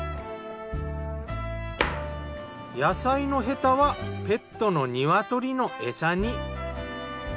野菜のヘタはペットのニワトリのエサに。